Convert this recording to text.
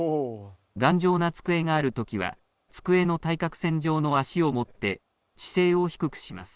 頑丈な机がある時は机の対角線上の脚を持って姿勢を低くします。